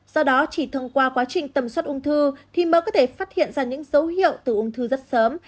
do đó chỉ thông qua quá trình tầm soát ung thư thì mới có thể phát hiện ra những dấu hiệu từ ung thư rất sớm